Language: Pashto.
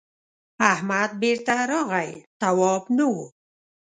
احمد بېرته راغی تواب نه و.